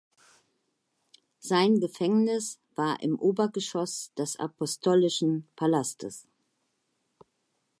Sein Gefängnis war im Obergeschoss des Apostolischen Palastes.